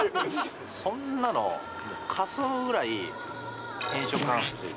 そんなの、かすむぐらい偏食なんですよ。